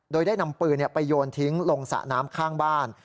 โดยได้นำปืนไปโยนทิ้งลงสระน้ำข้างบ้าน